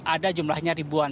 ada jumlahnya ribuan